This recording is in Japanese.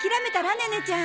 ネネちゃん。